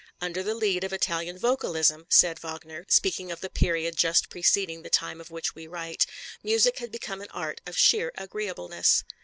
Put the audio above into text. "Under the lead of Italian vocalism," said Wagner, speaking of the period just preceding the time of which we write, "music had become an art of sheer agreeableness."